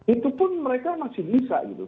itu pun mereka masih bisa gitu